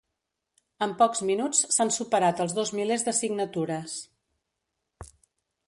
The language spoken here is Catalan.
En pocs minuts s’han superat els dos milers de signatures.